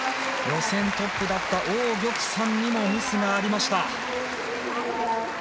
予選トップだったオウ・ギョクサンにもミスがありました。